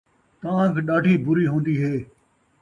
تانگھ ݙاڈھی بری ہوندی ہے